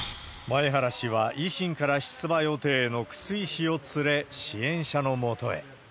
前原氏は、維新から出馬予定の楠井氏を連れ、支援者の元へ。